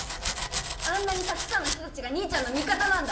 あんなにたくさんの人たちが兄ちゃんの味方なんだ。